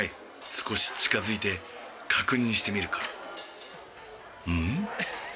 少し近づいて確認してみるか。